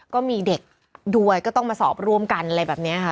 ก็มีเด็กด้วยก็ต้องมาสอบร่วมกันอะไรแบบนี้ค่ะ